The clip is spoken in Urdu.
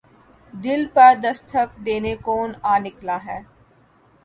دل پر دستک دینے کون آ نکلا ہے